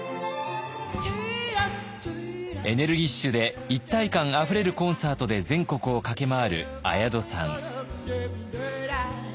エネルギッシュで一体感あふれるコンサートで全国を駆け回る綾戸さん。